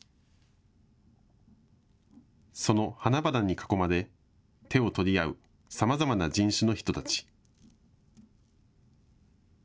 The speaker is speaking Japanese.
その花々に囲まれ手を取り合うさまざまな人種の人たち。